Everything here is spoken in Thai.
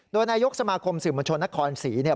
โดยนายกสมคมสื่อมวลชนนครศรีธรรมราช